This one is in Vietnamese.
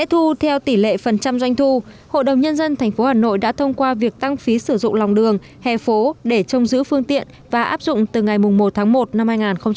hội đồng nhân dân tp hà nội đã thông qua việc tăng phí sử dụng lòng đường hệ phố để trông giữ phương tiện và áp dụng từ ngày một tháng một năm hai nghìn một mươi tám